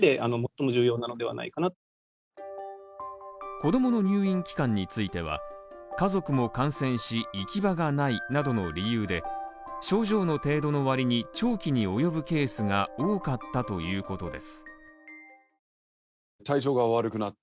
子供の入院期間については、家族も感染し行き場がないなどの理由で症状の程度のわりに長期に及ぶケースが多かったということです。